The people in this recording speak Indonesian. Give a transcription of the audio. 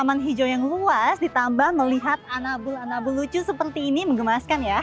tanaman hijau yang luas ditambah melihat anabul anabul lucu seperti ini mengemaskan ya